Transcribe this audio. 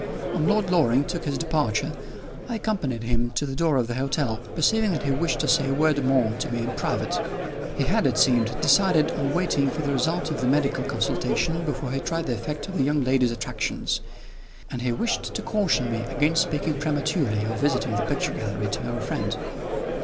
When Lord Loring took his departure, I accompanied him to the door of the hotel, perceiving that he wished to say a word more to me in private. He had, it seemed, decided on waiting for the result of the medical consultation before he tried the effect of the young lady's attractions; and he wished to caution me against speaking prematurely of visiting the picture gallery to our friend.